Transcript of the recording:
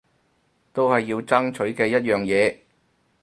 都係要爭取嘅一樣嘢